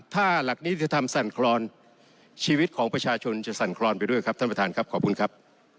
ถ้าหลักนิติธรรมสั่นคลอนชีวิตของประชาชนจะสั่นคลอนไปด้วยครับท่านประธานครับขอบคุณครับ